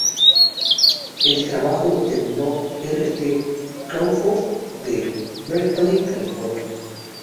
El trabajo lo terminó R. T. Crawford de Berkeley, California.